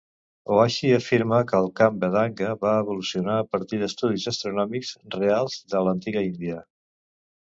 Ohashi afirma que el camp vedanga va evolucionar a partir d'estudis astronòmics reals de l'antiga Índia.